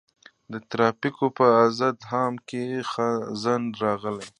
د ترافیکو په ازدحام کې ځنډ راغی.